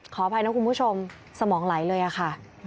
ขออภัยนะคุณผู้ชมสมองไหลเลยอะค่ะ